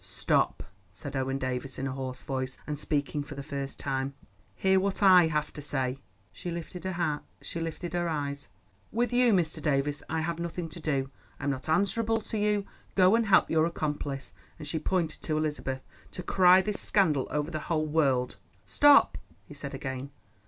"Stop," said Owen Davies in a hoarse voice, and speaking for the first time. "Hear what I have to say." She lifted her eyes. "With you, Mr. Davies, I have nothing to do; I am not answerable to you. Go and help your accomplice," and she pointed to Elizabeth, "to cry this scandal over the whole world." "Stop," he said again.